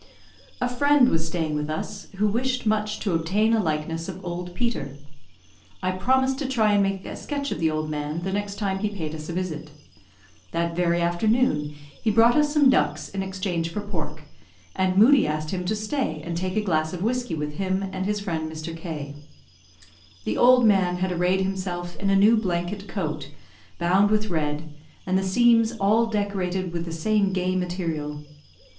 A friend was staying with us, who wished much to obtain a likeness of Old Peter. I promised to try and make a sketch of the old man the next time he paid us a visit. That very afternoon he brought us some ducks in exchange for pork, and Moodie asked him to stay and take a glass of whiskey with him and his friend Mr. K . The old man had arrayed himself in a new blanket coat, bound with red, and the seams all decorated with the same gay material.